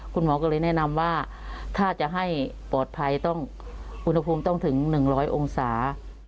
คุณหมอก็เลยแนะนำว่าถ้าจะให้ปลอดภัยต้องอุณหภูมิต้องถึง๑๐๐องศา